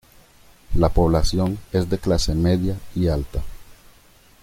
La población es de clase media y alta.